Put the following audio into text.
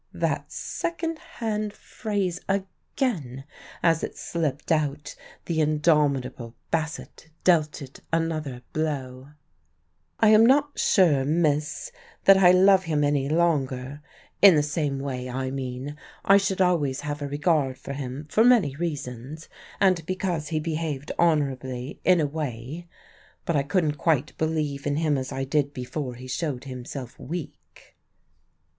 That second hand phrase again! As it slipped out, the indomitable Bassett dealt it another blow. "I am not sure, miss, that I love him any longer in the same way, I mean. I should always have a regard for him for many reasons and because he behaved honourably in a way. But I couldn't quite believe in him as I did before he showed himself weak."